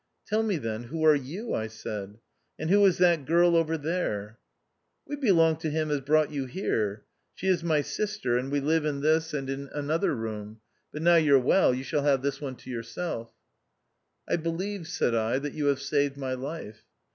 " Tell me then, who are you \" I said, " and who is that girl over there ?"" We belong to him as brought you here. She is my sister, and we live in this and iu THE OUTCAST. 219 another room. But now you're well, you shall have this one to yourself." " I believe," said I, " that you have saved my life."